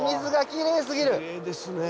きれいですねえ。